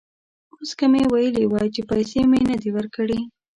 اوس که مې ویلي وای چې پیسې مې نه دي ورکړي.